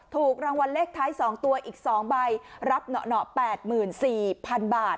ถูกรางวัลเลขท้ายสองตัวอีกสองใบรับเหนาะเหนาะแปดหมื่นสี่พันบาท